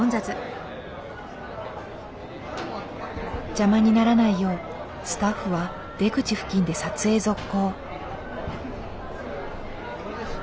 邪魔にならないようスタッフは出口付近で撮影続行。